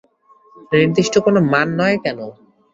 নির্দিষ্ট কোনো মান নয় কেন?